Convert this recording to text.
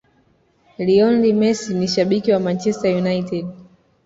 Lionel Messi ni shabiki wa Manchester United